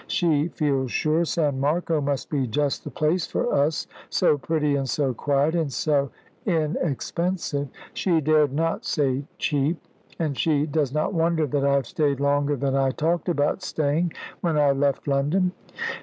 She feels sure San Marco must be just the place for us 'so pretty and so quiet, and so inexpensive.' She dared not say cheap. And she does not wonder that I have stayed longer than I talked about staying when I left London."